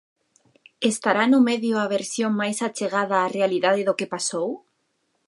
Estará no medio a versión mais achegada á realidade do que pasou?